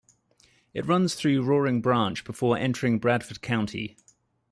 It runs through Roaring Branch before entering Bradford County.